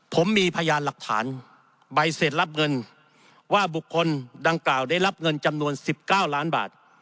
ผมมีพยานหลักฐานใบเสร็จรับเงินว่าบุคคลดังกล่าวได้รับเงินจำนวน๑๙ล้านบาท